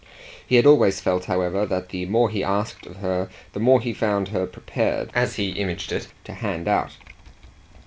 He had always felt, however, that the more he asked of her the more he found her prepared, as he imaged it, to hand out.